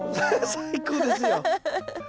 最高ですよ！